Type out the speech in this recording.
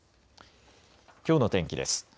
きょうの天気です。